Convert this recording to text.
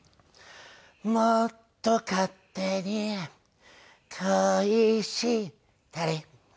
「もっと勝手に恋したり」